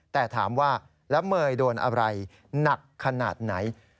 แต่ถามว่าแล้วเมย์โดนอะไรหนักขนาดไหน